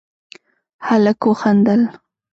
هلک وخندل: